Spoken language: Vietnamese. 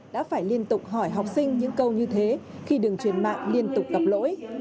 đã phải liên tục hỏi học sinh những câu như thế khi đường truyền mạng liên tục gặp lỗi